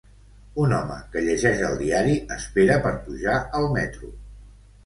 Un home que llegeix el diari espera per pujar al metro.